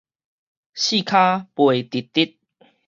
四跤拔直直